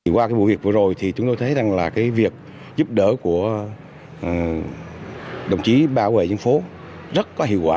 qua cái vụ việc vừa rồi thì chúng tôi thấy rằng là cái việc giúp đỡ của đồng chí bảo vệ dân phố rất có hiệu quả